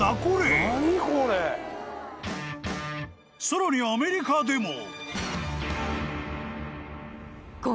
［さらにアメリカでも］